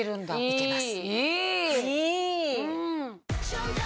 いけます。